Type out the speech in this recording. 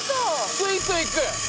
スイスイいく。